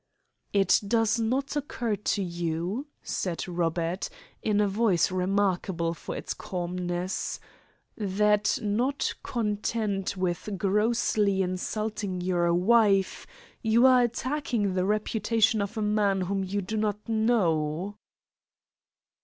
"It does not occur to you," said Robert, in a voice remarkable for its calmness, "that not content with grossly insulting your wife, you are attacking the reputation of a man whom you do not know."